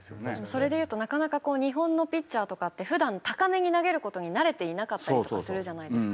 それで言うとなかなか日本のピッチャーとかって普段高めに投げる事に慣れていなかったりとかするじゃないですか。